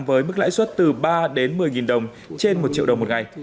với mức lãi suất từ ba đến một mươi đồng trên một triệu đồng một ngày